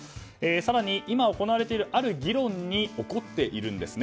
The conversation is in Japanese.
更に今、行われているある議論に怒っているんです。